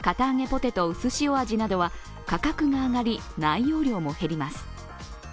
ポテトうすしお味などは価格が上がり内容量も減ります。